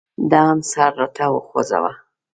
ده هم سر راته وخوځاوه.